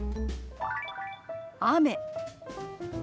「雨」。